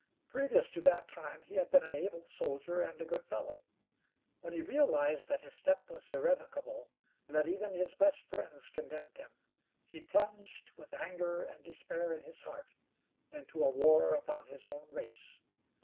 Previous to that time he had been an able soldier, and a good fellow. When he realized that his step was irrevocable, that even his best friends condemned him, he plunged, with anger and despair in his heart, into a war upon his own race.